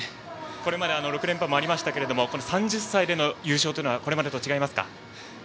これまで６連覇もありましたけど３０歳での優勝はこれまでと違いますか？